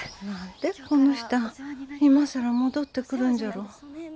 何でこの人あ今更戻ってくるんじゃろう。